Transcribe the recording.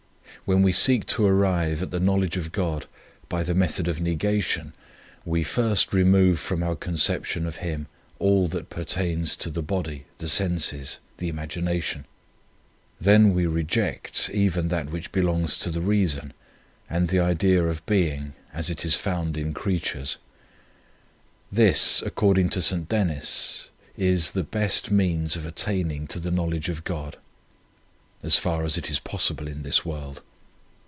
When we seek to arrive at the knowledge of God by the method of negation, we first remove from our conception of Him all that pertains to the body, the senses, the imagination. Then we reject even that which belongs to the reason, and the idea of being as it is found in creatures. 1 This, ac cording to St. Denis, is the best means of attaining to the know ledge of God, 2 as far as it is possible in this world.